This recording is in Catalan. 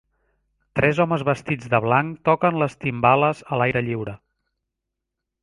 Tres homes vestits de blanc toquen les timbales a l'aire lliure.